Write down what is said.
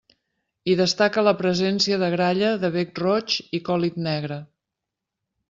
Hi destaca la presència de gralla de bec roig i còlit negre.